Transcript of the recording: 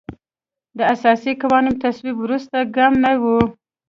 د اساسي قانون تصویب وروستی ګام نه و.